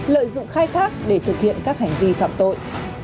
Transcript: lợi dụng khai thác để thực hiện các hành vi phạm tội